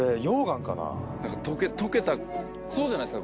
溶けたそうじゃないですか？